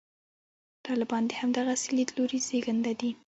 طالبان د همدغسې لیدلوري زېږنده دي.